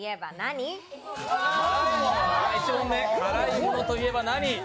辛いものといえば何？